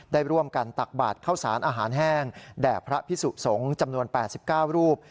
ได้ร่วมกันตักบาทเข้าสารอาหารแห้งแด่พระพิสุสงฆ์จำนวน๘๙รูป